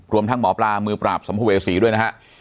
รวมทั้งหมอปลามือปราบสมภเวศรีด้วยนะครับ